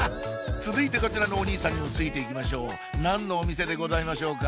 続いてこちらのお兄さんにもついていきましょう何のお店でございましょうか？